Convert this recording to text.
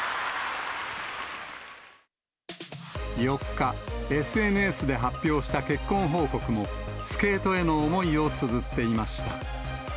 ４日、ＳＮＳで発表した結婚報告も、スケートへの思いをつづっていました。